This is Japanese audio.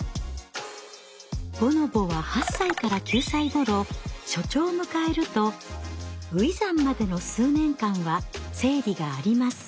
ボノボは８歳から９歳頃初潮を迎えると初産までの数年間は生理があります。